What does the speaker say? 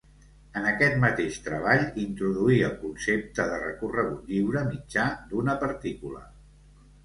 En aquest mateix treball introduí el concepte de recorregut lliure mitjà d'una partícula.